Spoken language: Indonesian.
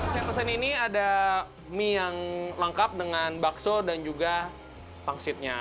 saya pesan ini ada mie yang lengkap dengan bakso dan juga pangsitnya